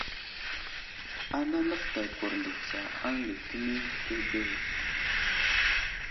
Ana nəfətay kurndo tsa aŋgay kəni keɓew.